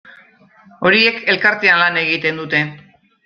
Horiek elkartean lan egiten dute.